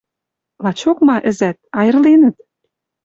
«Лачок ма ӹзӓт... айырленӹт?